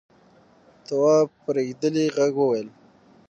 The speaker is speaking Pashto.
تواب په رېږديدلي غږ وويل: